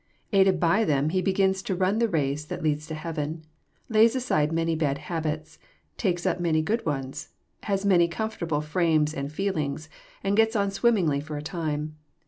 Aided by them he begins to run the race that leads to heaven, lays aside many bad habits, takes up many good ones, has many comfortable frames and feelings, and gets on swimmingly for a time.